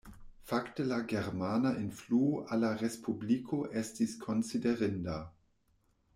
Fakte la germana influo al la respubliko estis konsiderinda.